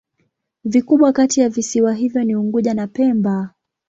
Vikubwa kati ya visiwa hivyo ni Unguja na Pemba.